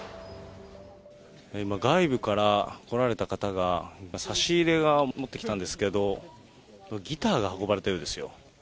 外部から来られた方が、差し入れを持ってきたんですけど、ギターが運ばれたようですよ。